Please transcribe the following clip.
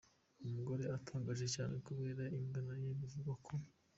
Umugore utangaje cyane kubera ingano ye bivugwa ko.